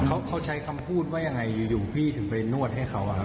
เขาเขาใช้คำพูดว่ายังไงอยู่พี่ถึงไปนวดให้เขาอะครับ